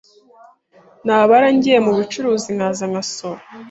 ntabara ngiye mu bucuruzi nkaza nkasora